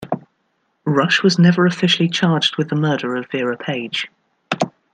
Rush was never officially charged with the murder of Vera Page.